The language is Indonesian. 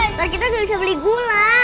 ntar kita udah bisa beli gula